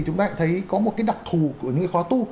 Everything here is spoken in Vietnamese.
chúng ta lại thấy có một cái đặc thù của những khóa tu